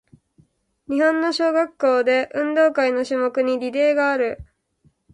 日本の小学校で、運動会の種目にリレーがある。